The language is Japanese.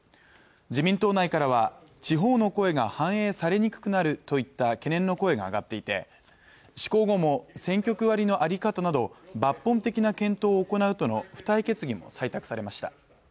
自民党内からは地方の声が反映されにくくなるといった懸念の声が上がっていて施行後も選挙区割りのあり方など抜本的な検討を行うとの付帯決議も採択されました